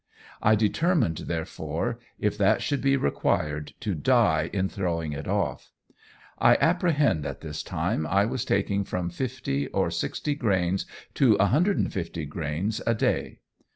I determined, therefore, if that should be required, to die in throwing it off. I apprehend at this time I was taking from 50 or 60 grains to 150 grains a day.